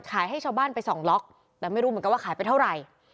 ให้ชาวบ้านไปสองล็อกแต่ไม่รู้เหมือนกันว่าขายไปเท่าไหร่